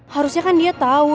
harusnya kan dia tau